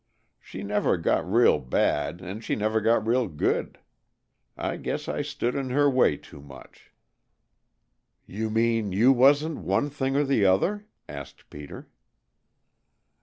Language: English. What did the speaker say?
She never got real bad, and she never got real good. I guess I stood in her way too much." "You mean you wasn't one thing or the other?" asked Peter.